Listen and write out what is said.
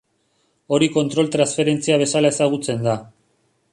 Hori kontrol-transferentzia bezala ezagutzen da.